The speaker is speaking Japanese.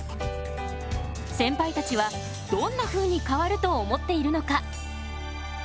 センパイたちはどんなふうに変わると思っているのか？